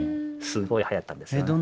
すごいはやったんですよね。